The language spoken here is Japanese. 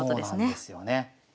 そうなんですよね。